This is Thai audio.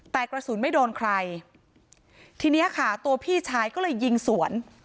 แต่กระสุนไม่โดนใครทีเนี้ยค่ะตัวพี่ชายก็เลยยิงสวน